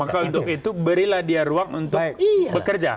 maka untuk itu berilah dia ruang untuk bekerja